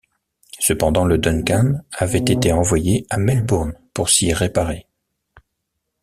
Cependant le Duncan avait été envoyé à Melbourne pour s’y réparer.